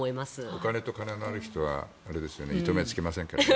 お金と金のある人は糸目をつけませんからね。